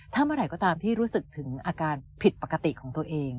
ถ้าเมื่อไหร่ก็ตามที่รู้สึกถึงอาการผิดปกติของตัวเอง